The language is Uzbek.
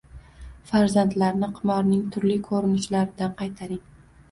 Farzandlarni qimorning turli ko‘rinishlaridan qaytaring.